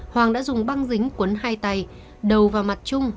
hoàng đã dùng băng dính cuốn hai tay đầu vào mặt chung